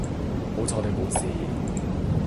好彩你冇事